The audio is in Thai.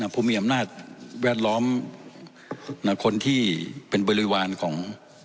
ผู้มีอำนาจแวดล้อมคนที่เป็นบริวารของ